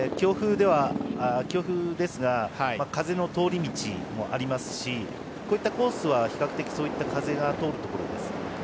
強風ですが風の通り道もありますしこういったコースは、比較的そういった風が通るところです。